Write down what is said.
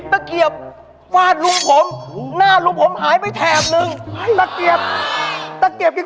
เพราะผมติดคุกครับผม